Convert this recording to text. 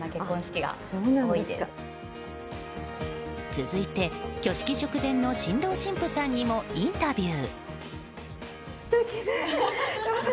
続いて挙式直前の新郎新婦さんにもインタビュー。